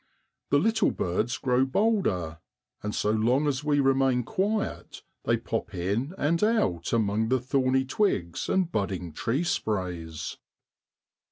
The little birds grow bolder; and so long as we remain quiet, they pop in and out among the thorny twigs and budding tree sprays.